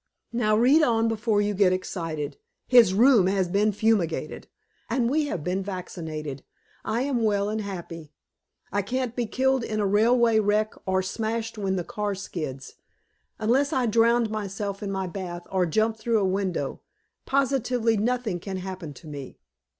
Now read on before you get excited. HIS ROOM HAS BEEN FUMIGATED, and we have been vaccinated. I am well and happy. I can't be killed in a railway wreck or smashed when the car skids. Unless I drown myself in my bath, or jump through a window, positively nothing can happen to me.